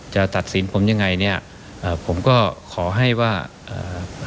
จะตัดสินผมยังไงเนี้ยเอ่อผมก็ขอให้ว่าเอ่อ